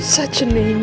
lu udah ngapain